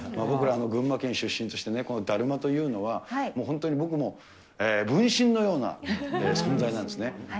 僕は群馬県出身としてね、このだるまというのは、本当に僕の分身のような存在なんですね。